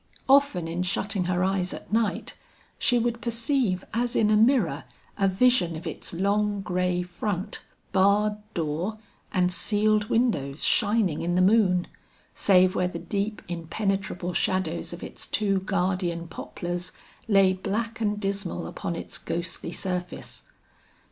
Often in shutting her eyes at night, she would perceive as in a mirror a vision of its long gray front, barred door and sealed windows shining in the moon, save where the deep impenetrable shadows of its two guardian poplars lay black and dismal upon its ghostly surface.